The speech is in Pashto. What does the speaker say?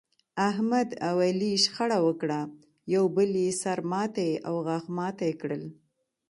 احمد او علي شخړه وکړه، یو بل یې سر ماتی او غاښ ماتی کړل.